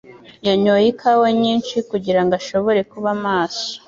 yanyoye ikawa nyinshi kugirango ashobore kuba maso.